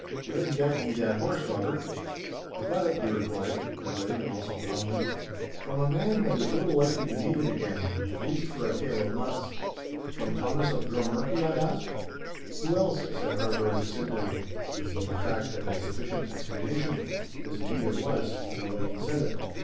'Where gat ye that horse, Robert?' 'I got it,' he replied, readily and also calmly, 'from a man that is little likely to need it again, at least for a tale of months.' 'From Thomas of Drummurchie?' I asked. 'Who else?' said Harburgh, simply, as though the fact had been sufficient explanation; as, indeed, it was—in the way he said it.